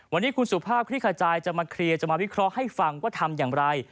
วันนี้คุณสุภาพคลิกขจายจะมาเคลียร์จะมาวิเคราะห์ให้ฟังว่าทำอย่างไร